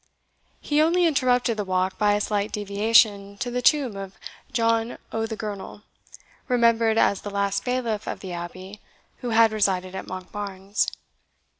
He only interrupted the walk by a slight deviation to the tomb of John o' the Girnel, remembered as the last bailiff of the abbey who had resided at Monkbarns.